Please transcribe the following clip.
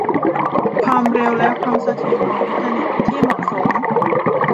ความเร็วและความเสถียรของอินเทอร์เน็ตที่เหมาะสม